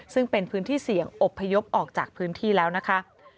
ซึ่งเป็นพื้นที่เสี่ยงอบพยพออกจากพื้นที่แล้วนะคะ